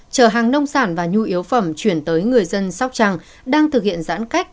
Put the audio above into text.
chở hàng nông sản và nhu yếu phẩm chuyển tới người dân sóc trăng đang thực hiện giãn cách